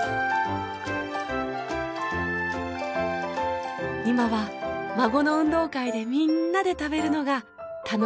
今は孫の運動会でみんなで食べるのが楽しみです。